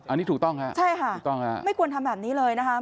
อันนี้ถูกต้องครับถูกต้องครับใช่ค่ะไม่ควรทำแบบนี้เลยนะครับ